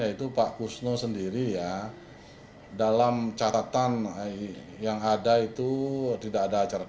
merupakan bentuk kepercayaan atas profesionalitas hakim tersebut